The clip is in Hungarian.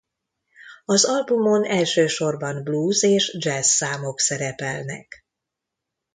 Az albumon elsősorban blues és dzsessz számok szerepelnek.